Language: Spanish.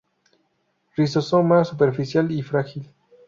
Rizoma superficial y frágil.